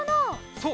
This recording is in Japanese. そう！